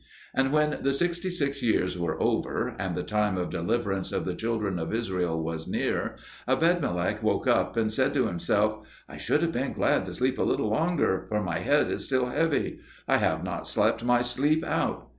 And when the sixty six years were over, and the time of deliverance of the children of Israel was near, Ebedmelech woke up, and said to himself, "I should have been glad to sleep a little longer, for my head is still heavy; I have not slept my sleep out."